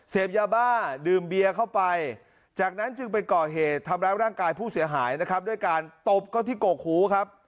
เสพยาบ้าดื่มเบียเข้าไปจากนั้นจึงไปก่อเหตุทำร้ายร่างกายผู้เสียหายนะครับด้วยการตบเขาที่กกหูครับ